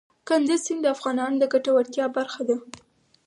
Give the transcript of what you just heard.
کندز سیند د افغانانو د ګټورتیا برخه ده.